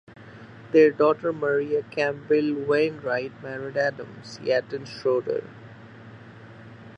Their daughter Maria Campbell Wainwright married Adm. Seaton Schroeder.